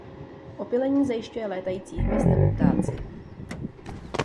Opylení zajišťuje létající hmyz nebo ptáci.